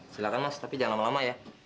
silahkan mas tapi jangan lama lama ya